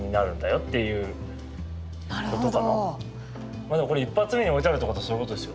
まあでもこれ一発目に置いてあるってことはそういうことですよね。